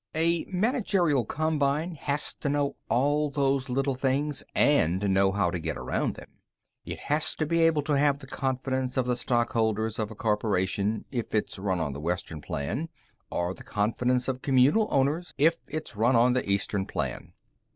A managerial combine has to know all those little things and know how to get around them. It has to be able to have the confidence of the stock holders of a corporation if it's run on the Western Plan or the confidence of communal owners if it's run on the Eastern Plan.